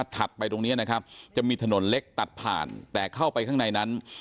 ไปตรงนี้นะครับจะมีถนนเล็กตัดผ่านแต่เข้าไปข้างในนั้น